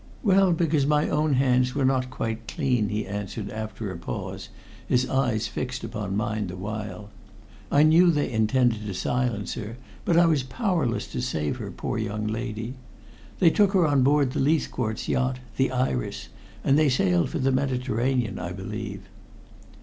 "Well, because my own hands were not quite clean," he answered after a pause, his eyes fixed upon mine the while. "I knew they intended to silence her, but I was powerless to save her, poor young lady. They took her on board Leithcourt's yacht, the Iris, and they sailed for the Mediterranean, I believe."